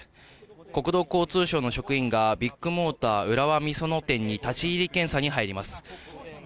国土交通省の職員がビッグモーター浦和美園店に立ち入り検査に入ります。